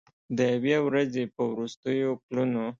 د یوې ورځې په وروستیو پلونو